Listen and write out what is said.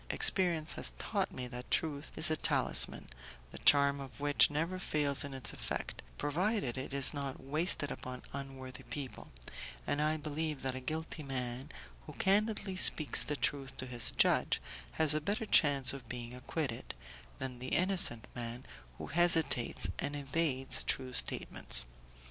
Experience has taught me that truth is a talisman, the charm of which never fails in its effect, provided it is not wasted upon unworthy people, and I believe that a guilty man, who candidly speaks the truth to his judge, has a better chance of being acquitted, than the innocent man who hesitates and evades true statements.